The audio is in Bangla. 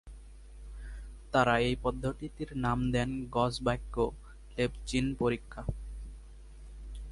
তার এই পদ্ধতির নাম দেন গসব্যাক-লেভচিন পরীক্ষা।